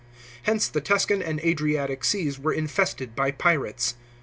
Hence the Tuscan and Adriatic seas were infested by pirates.